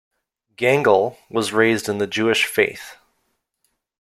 Gangel was raised in the Jewish faith.